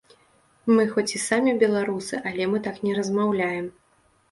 Мы хоць і самі беларусы, але мы так не размаўляем.